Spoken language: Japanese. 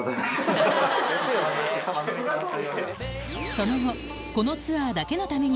その後